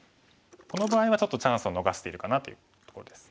この場合はちょっとチャンスを逃してるかなというところです。